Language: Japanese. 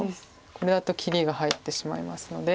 これだと切りが入ってしまいますので。